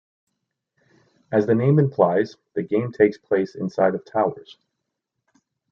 As the name implies, the game takes place inside of towers.